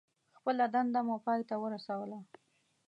خپله دنده مو پای ته ورسوله.